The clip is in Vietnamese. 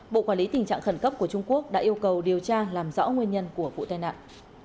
bộ quản lý tình trạng khẩn cấp của trung quốc đã yêu cầu điều tra làm rõ nguyên nhân của vụ tai nạn